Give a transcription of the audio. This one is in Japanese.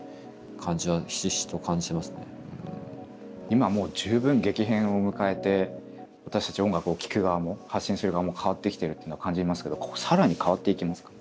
今もう十分激変を迎えて私たち音楽を聴く側も発信する側も変わってきてるっていうのは感じますけど更に変わっていきますか？